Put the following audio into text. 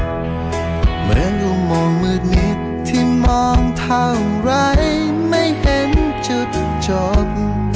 เหมือนอยู่มืดนิดที่มองเท่าไรไม่เห็นจุดจบ